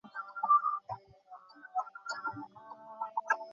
আচ্ছা, কালই পাবে।